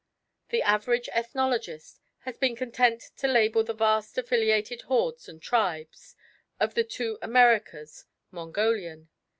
The average ethnologist has been content to label the vast affiliated hordes and tribes of the two Americas "Mongolian."